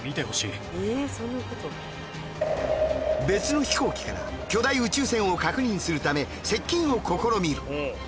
別の飛行機から巨大宇宙船を確認するため接近を試みる。